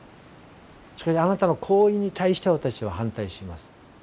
しかしあなたの行為に対して私は反対します。